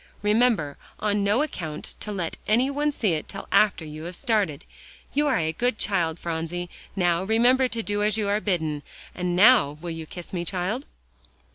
Remember, on no account to let any one see it till after you have started. You are a good child, Phronsie. Now, remember to do as you are bidden. And now, will you kiss me, child?"